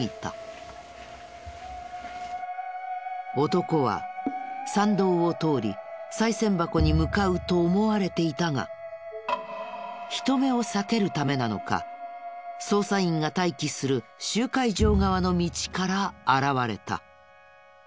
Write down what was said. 男は参道を通りさい銭箱に向かうと思われていたが人目を避けるためなのか捜査員が待機する集会場側の道から現れた。